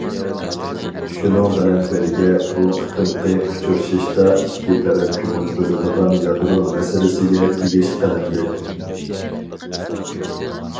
شۇنىڭ بىلەن بىرگە، بۇ قېتىمقى ئۇچرىشىشتا ئىككى تەرەپ كۆڭۈل بۆلىدىغان يادرو مەسىلىسىگە تېگىش قىلىندى.